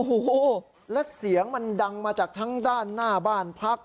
โอ้โหและเสียงมันดังมาจากทั้งด้านหน้าบ้านพัก